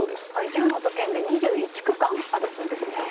１０の都県で２１区間あるそうですね。